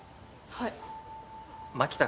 はい。